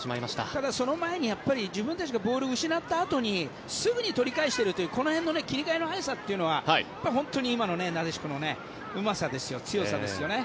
ただ、その前に自分たちがボールを失ったあとにすぐに取り返しているという切り返しの速さが今のなでしこのうまさ、強さですよね。